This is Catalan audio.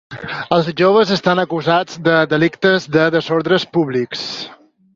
Els joves estan acusats de delictes de desordres públics.